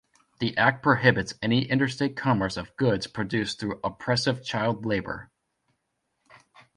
The act prohibits any interstate commerce of goods produced through oppressive child labor.